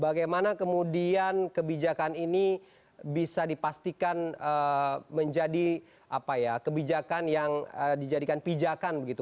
bagaimana kemudian kebijakan ini bisa dipastikan menjadi apa ya kebijakan yang dijadikan pijakan gitu